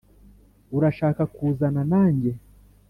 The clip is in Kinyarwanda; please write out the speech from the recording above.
urashaka kuzana nanjye?